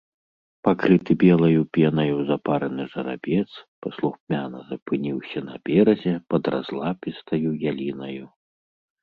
Пакрыты белаю пенаю запараны жарабец паслухмяна запыніўся на беразе пад разлапістаю ялінаю.